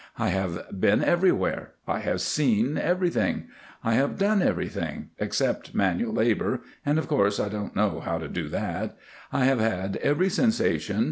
I have been everywhere, I have seen everything, I have done everything except manual labor, and of course I don't know how to do that I have had every sensation.